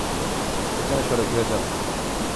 পেছনে সরো, ঘুরে যাও।